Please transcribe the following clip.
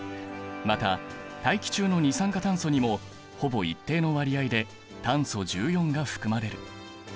また大気中の二酸化炭素にもほぼ一定の割合で炭素１４が含まれる。